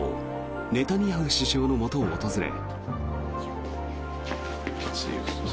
ネタニヤフ首相のもとを訪れ。